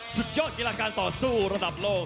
สุดยอดกีฬาการต่อสู้ระดับโลก